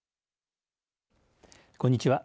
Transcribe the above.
こんにちは。